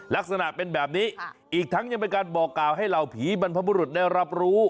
ลักษณะเป็นแบบนี้อีกทั้งยังเป็นการบอกกล่าวให้เหล่าผีบรรพบุรุษได้รับรู้